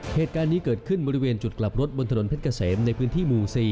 เหตุการณ์นี้เกิดขึ้นบริเวณจุดกลับรถบนถนนเพชรเกษมในพื้นที่หมู่๔